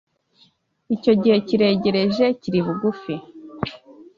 Icyo gihe kiregereje kiri bugufi